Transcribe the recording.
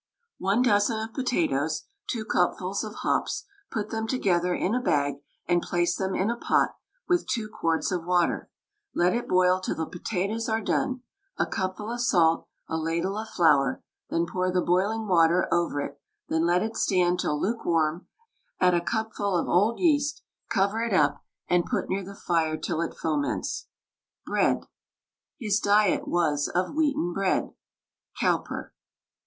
One dozen of potatoes, two cupfuls of hops; put them together in a bag, and place them in a pot with two quarts of water; let it boil till the potatoes are done; a cupful of salt, a ladle of flour; then pour the boiling water over it, then let it stand till lukewarm; add a cupful of old yeast, cover it up, and put near the fire till it foments. BREAD. His diet was of wheaten bread. COWPER.